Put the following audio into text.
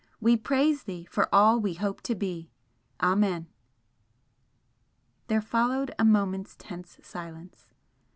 We praise Thee for all we hope to be! Amen." There followed a moment's tense silence.